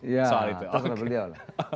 ya itu sama beliau lah